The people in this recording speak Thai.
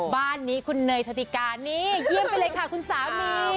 บ้านนี้คุณเนยโชติกานี่เยี่ยมไปเลยค่ะคุณสามี